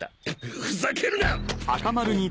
ふざけるな！